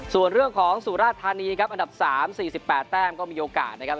ส่วนเรื่องของสุราธานีครับอันดับ๓๔๘แต้มก็มีโอกาสนะครับ